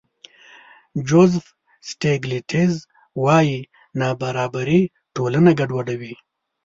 جوزف سټېګلېټز وايي نابرابري ټولنه ګډوډوي.